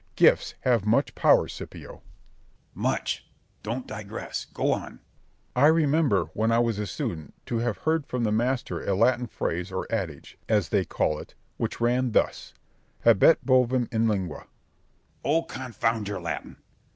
Gifts have much power, Scipio. Scip. Much. Don't digress: go on. Berg. I remember, when I was a student, to have heard from the master a Latin phrase or adage, as they call it, which ran thus: habet bovem in lingua. Scip. O confound your Latin!